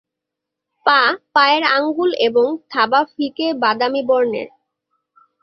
পা, পায়ের আঙ্গুল এবং থাবা ফিকে বাদামি বর্ণের।